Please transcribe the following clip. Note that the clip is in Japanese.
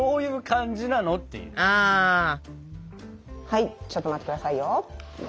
はいちょっと待ってくださいよ。